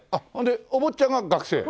お坊ちゃまは学生？